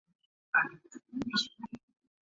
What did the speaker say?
他的任务通常涉及杀死侵入地球的外星人。